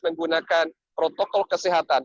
menggunakan protokol kesehatan